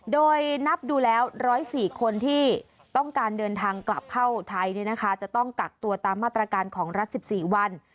โดยนับดูแล้วร้อยสี่คนที่ต้องการเดินทางกลับเข้าไทยเนี่ยนะคะจะต้องกักตัวตามมาตรการของรักสิบสี่วัน